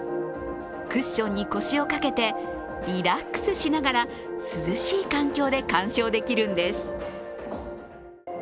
クッションに腰をかけて、リラックスしながら涼しい環境で、鑑賞できるんです。